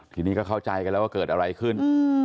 ทีนี้ก็เข้าใจกันแล้วว่าเกิดอะไรขึ้น